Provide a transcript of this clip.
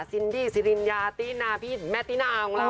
ซินดี้สิริญญาตี้นาพี่แม่ตินาของเรา